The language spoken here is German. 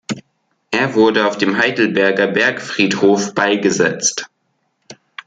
Er wurde auf dem Heidelberger Bergfriedhof beigesetzt.